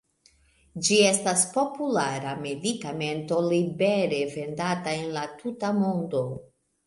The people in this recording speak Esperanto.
Ĝi estas populara medikamento libere vendata en la tuta mondo.